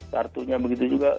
kartunya begitu juga